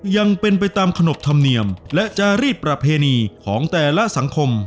ยังเป็นไปตามขนบธรรมเนียมและจารีดประเพณีของแต่ละสังคม